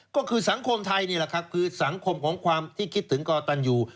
ก็คือสังคมไทยนี่แหละครับคือสังคมของความที่คิดถึงกอตันอยู่